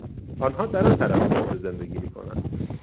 آنها در آن طرف جاده زندگی میکنند.